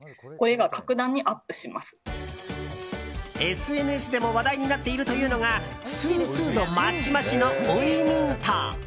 ＳＮＳでも話題になっているというのがスースー度マシマシの追いミント！